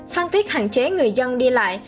phan thiết hẳn chế người dân đi lại